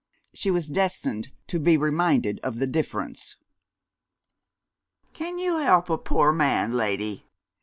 She was destined to be reminded of the difference. "Can you help a poor man, lady?"